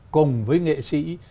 cùng với nghệ sĩ